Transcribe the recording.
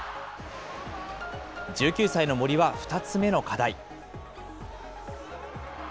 １９歳の森は２つ目の課題。